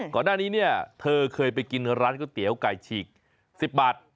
ก่อนหน้านี้เนี่ยเธอเคยไปกินร้านก๋วยเตี๋ยวไก่ฉีก๑๐บาท